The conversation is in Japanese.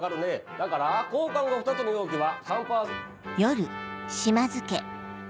だから交換後２つの容器は。